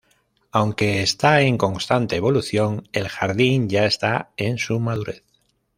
Aunque está en constante evolución, el jardín ya está en su madurez.